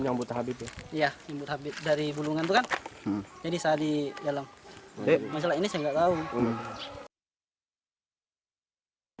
masalah ini saya tidak tahu